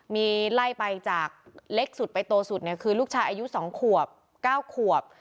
มีไล่ไปจากเล็กสุดไปโตสุดคือลูกชายอายุสองขวบเก้าขวบ